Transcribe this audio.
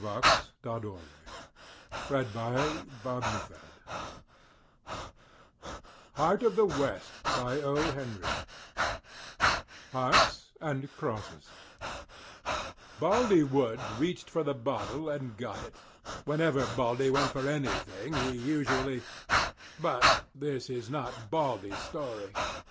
The Reformation of Calliope HEART OF THE WEST I HEARTS AND CROSSES Baldy Woods reached for the bottle, and got it. Whenever Baldy went for anything he usually—but this is not Baldy's story.